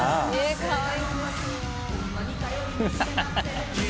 かわいい。